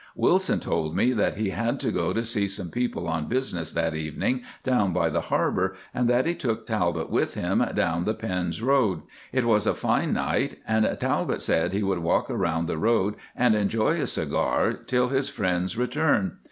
Wilson told me that he had to go to see some people on business that evening down by the harbour, and that he took Talbot with him down the Pends Road. It was a fine night, and Talbot said he would walk about the road and enjoy a cigar till his friend's return.